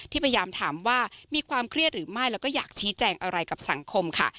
พยายามถามว่ามีความเครียดหรือไม่แล้วก็อยากชี้แจงอะไรกับสังคมค่ะ